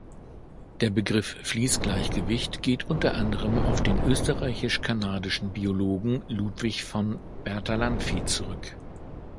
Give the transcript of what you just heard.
Der Begriff Fließgleichgewicht geht unter anderem auf den österreichisch-kanadischen Biologen Ludwig von Bertalanffy zurück.